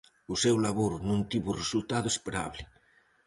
O seu labor non tivo o resultado esperable.